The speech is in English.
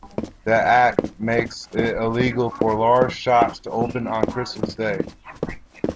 The Act makes it illegal for large shops to open on Christmas Day.